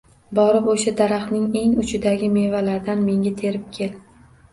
Borib o‘sha daraxtning eng uchidagi mevalardan menga terib kel